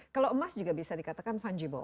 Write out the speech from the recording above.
kalau emas juga bisa dikatakan fungible